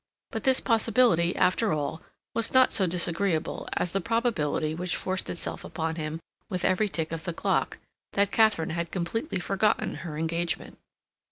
But this possibility, after all, was not so disagreeable as the probability which forced itself upon him with every tick of the clock that Katharine had completely forgotten her engagement.